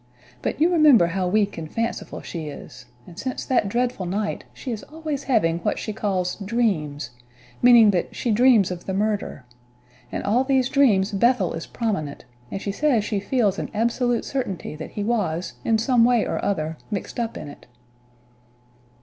But you remember how weak and fanciful she is, and since that dreadful night she is always having what she calls 'dreams' meaning that she dreams of the murder. In all these dreams Bethel is prominent; and she says she feels an absolute certainty that he was, in some way or other, mixed up in it."